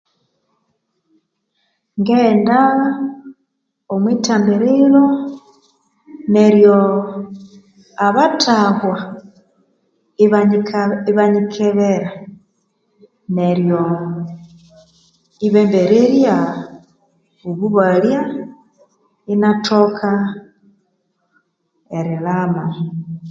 Ngaghenda omwi thambiriro neryo abathahwa ibanyikebera neryo ibambererya obubalya inathoka erilhama.